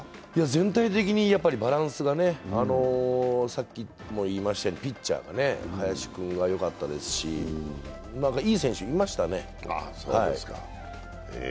全体的にバランスが、ピッチャー・林君が良かったですしいい選手いましたね。